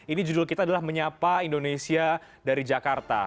ini judul kita adalah menyapa indonesia dari jakarta